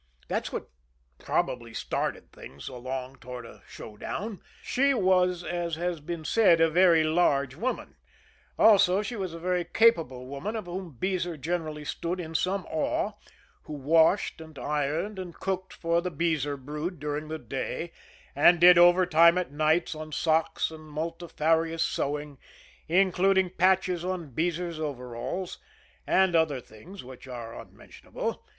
That's what probably started things along toward a showdown. She was, as has been said, a very large woman; also she was a very capable woman of whom Beezer generally stood in some awe, who washed, and ironed, and cooked for the Beezer brood during the day, and did overtime at nights on socks and multifarious sewing, including patches on Beezer's overalls and other things, which are unmentionable.